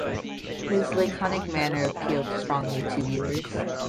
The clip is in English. His laconic manner appealed strongly to viewers.